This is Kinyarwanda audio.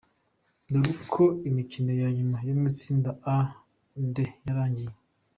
Dore uko imikino ya nyuma mu itsinda A-D yarangiye:.